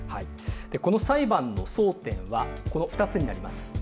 この裁判の争点はこの２つになります。